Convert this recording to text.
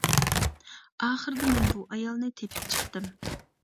ئاخىرىدا مەن بۇ ئايالنى تېپىپ چىقتىم.